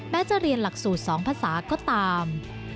จะเรียนหลักสูตร๒ภาษาก็ตาม